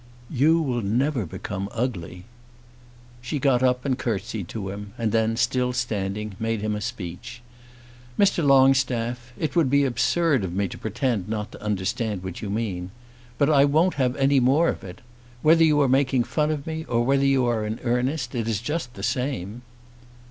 "You will never become ugly." She got up and curtsied to him, and then, still standing, made him a speech. "Mr. Longstaff, it would be absurd of me to pretend not to understand what you mean. But I won't have any more of it. Whether you are making fun of me, or whether you are in earnest, it is just the same."